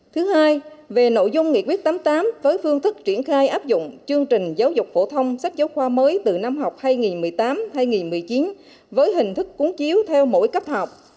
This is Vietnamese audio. thứ hai về nội dung nghị quyết tám mươi tám với phương thức triển khai áp dụng chương trình giáo dục phổ thông sách giáo khoa mới từ năm học hai nghìn một mươi tám hai nghìn một mươi chín với hình thức cúng chiếu theo mỗi cấp học